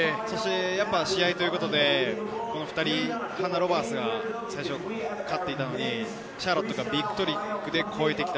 試合ということで、ハナ・ロバーツが最初勝っていたのに、シャーロットがビッグトリックで超えてきた。